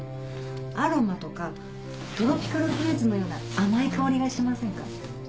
アロマとかトロピカルフルーツのような甘い香りがしませんか？